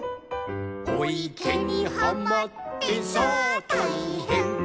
「おいけにはまってさあたいへん」